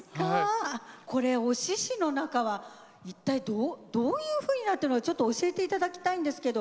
これお獅子の中は一体どうどういうふうになってるのかちょっと教えて頂きたいんですけど。